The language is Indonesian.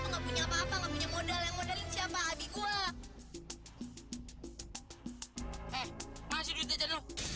lo gak tau kan kalo dulu abi gua tuh modalin bokap sama kakak lo